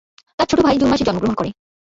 তার ছোট ভাই জুন মাসে জন্মগ্রহণ করে।